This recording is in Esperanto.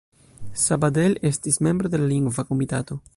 Sabadell estis membro de la Lingva Komitato.